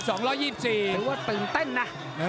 หรือว่าตื่นเต้นนะ